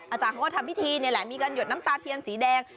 อาจารย์เขาก็ทำพิธีนี่แหละมีการหยดน้ำตาเทียนสีแดง